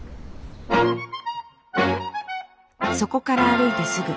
そこから歩いてすぐ。